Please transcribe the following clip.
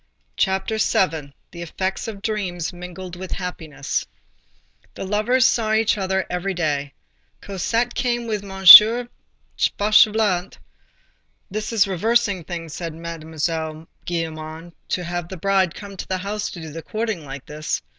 CHAPTER VII—THE EFFECTS OF DREAMS MINGLED WITH HAPPINESS The lovers saw each other every day. Cosette came with M. Fauchelevent.—"This is reversing things," said Mademoiselle Gillenormand, "to have the bride come to the house to do the courting like this."